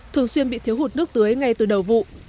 thường xuyên bị thiếu hụt nước tưới ngay từ đầu vụ